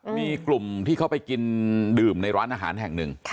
มีกลุ่มที่เขาไปกินดื่มในร้านอาหารแห่งหนึ่ง